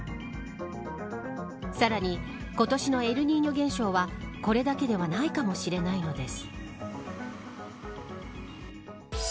さらに今年のエルニーニョ現象はこれだけではないかもしれないのです。